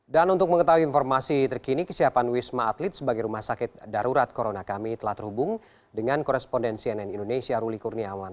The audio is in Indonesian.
dan untuk mengetahui informasi terkini kesiapan wisma atlet sebagai rumah sakit darurat corona kami telah terhubung dengan korespondensi nn indonesia ruli kurniawan